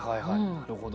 なるほど。